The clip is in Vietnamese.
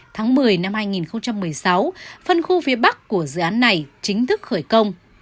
tháng một mươi năm hai nghìn một mươi sáu phân khu phía bắc của dự án này chính thức khởi công